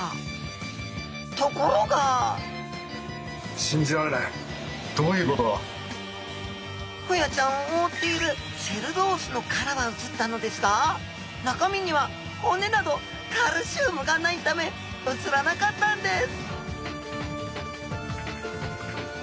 ところがホヤちゃんを覆っているセルロースの殻は写ったのですが中身には骨などカルシウムがないため写らなかったんです